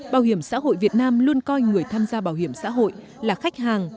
bảo hiểm xã hội việt nam luôn coi người tham gia bảo hiểm xã hội là khách hàng